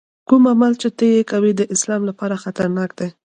کوم عمل چې ته یې کوې د اسلام لپاره خطرناک دی.